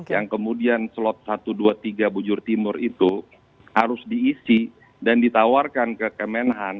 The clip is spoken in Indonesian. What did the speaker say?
yang kemudian slot satu dua tiga bujur timur itu harus diisi dan ditawarkan ke kemen han